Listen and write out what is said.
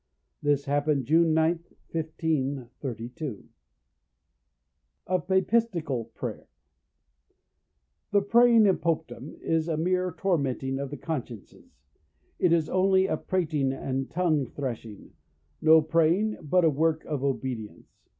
This happened June 9, 1532. Of Papistical Prayer. The praying in Popedom, is a mere tormenting of the consciences, it is only a prating and tongue threshing, no praying, but a work of obedience.